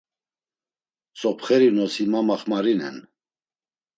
Tzopxeri nosi ma maxmarinen.